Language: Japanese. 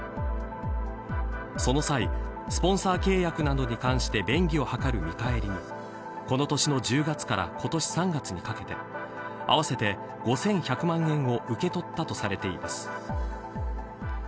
その際、スポンサー契約等に関して便宜を図る見返りにこの年の１０月から今年３月にかけて合わせて５１００万円を受け取ったとされています。